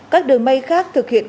các đường bay khác thực hiện